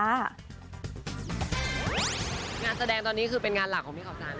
งานแสดงตอนนี้คือเป็นงานหลักของพี่เขาสัน